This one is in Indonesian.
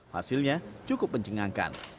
hasilnya cukup mencengangkan